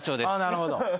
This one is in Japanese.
なるほど。